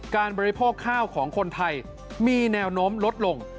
บริโภคข้าวของคนไทยมีแนวโน้มลดลง